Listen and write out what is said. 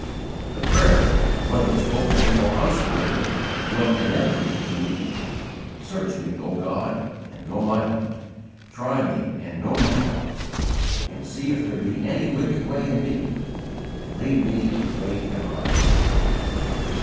The prayer, whether spoken or unspoken, will inevitably be: "Search me, O God, and know my heart, Try me, and know my thoughts; And see if there be any wicked way in me, And lead me in the way everlasting!"